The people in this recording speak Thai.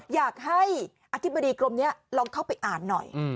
อยากให้อธิบดีกรมนี้ลองเข้าไปอ่านหน่อย